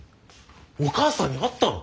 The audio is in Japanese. お母さんに会ったの？